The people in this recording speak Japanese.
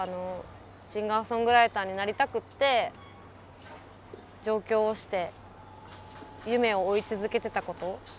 シンガーソングライターになりたくって上京して夢を追い続けていたこと。